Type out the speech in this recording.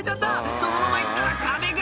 「そのまま行ったら壁が！